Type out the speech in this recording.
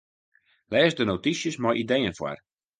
Lês de notysjes mei ideeën foar.